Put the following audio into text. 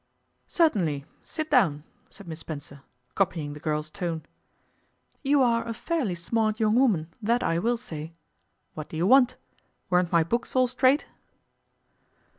'Certainly, sit down,' said Miss Spencer, copying the girl's tone. 'You are a fairly smart young woman, that I will say. What do you want? Weren't my books all straight?